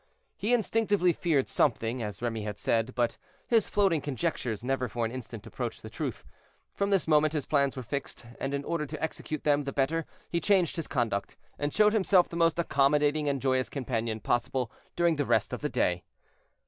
He instinctively feared something, as Remy had said, but his floating conjectures never for an instant approached the truth. From this moment his plans were fixed, and in order to execute them the better he changed his conduct, and showed himself the most accommodating and joyous companion possible during the rest of the day.